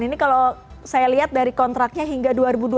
ini kalau saya lihat dari kontraknya hingga dua ribu dua puluh